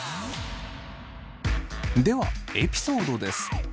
ではエピソードです。